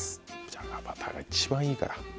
じゃがバターが一番いいから。